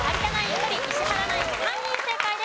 １人石原ナイン３人正解です。